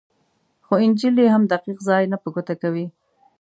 خو انجیل یې هم دقیق ځای نه په ګوته کوي.